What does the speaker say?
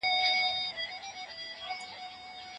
خلک باید د کارولو فکر وکړي.